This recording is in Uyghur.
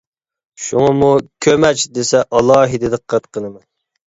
شۇڭىمۇ كۆمەچ دېسە ئالاھىدە دىققەت قىلىمەن.